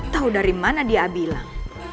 tahu dari mana dia bilang